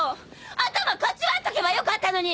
頭かち割っとけばよかったのに！